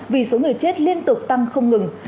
vì số người chết liên tục tăng không ngừng